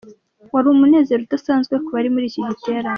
Wari umunezero udasanzwe ku bari muri iki giterane,.